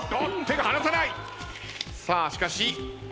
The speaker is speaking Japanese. さあしかし。